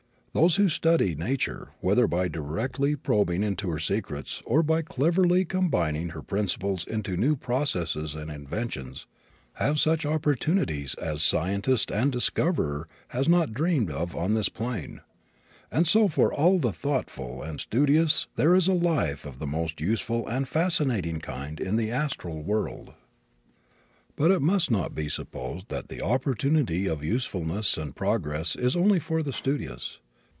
Those who study nature, whether by directly probing into her secrets or by cleverly combining her principles into new processes and inventions, have such opportunities as scientist and discoverer has not dreamed of on this plane. And so for all the thoughtful and studious there is a life of the most useful and fascinating kind in the astral world. But it must not be supposed that the opportunity of usefulness and progress is only for the studious.